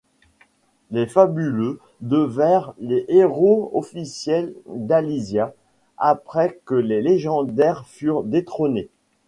Les ‘’Fabuleux’’ devinrent les héros officiels d’Alysia après que les ‘’Légendaires’’ furent détrônés.